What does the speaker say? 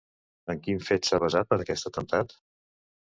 En quin fet s'ha basat per a aquest atemptat?